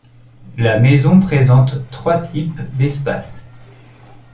La maison présente trois types d’espaces.